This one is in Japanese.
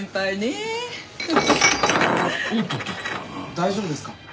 大丈夫ですか？